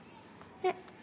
えっ。